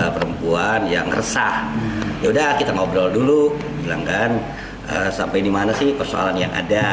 perempuan yang resah ya udah kita ngobrol dulu bilang kan sampai dimana sih persoalan yang ada